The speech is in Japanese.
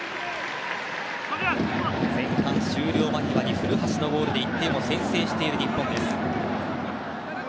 前半終了間際に古橋のゴールで１点を先制している日本。